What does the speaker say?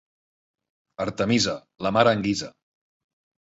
Artemisa, la mare en guisa.